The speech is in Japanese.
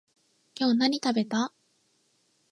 今日何食べた？